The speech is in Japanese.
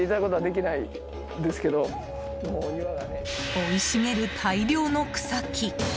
生い茂る大量の草木。